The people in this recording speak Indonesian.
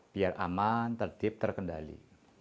biar aman tertib terkendali